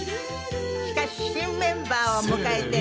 しかし新メンバーを迎えて。